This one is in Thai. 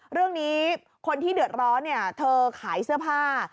เรื่องนี้คนที่เดือดร้อนเธอขายเสื้อผ้า